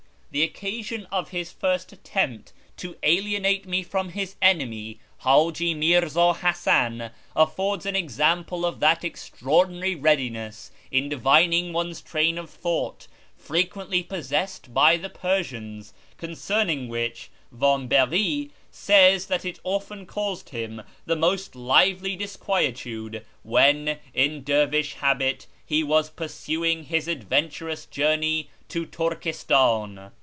The occasion of his first attempt to alienate me from his enemy, Haji Mirza Hasan, ai'fords an example of that extraordinary readiness in divining one's train of thouglit freqnently possessed by the Persians, concerning which Vjimbcry says that it often caused him the most lively disquietude when, in dervish habit, he was pursuing his adventurous journey to Turkistan.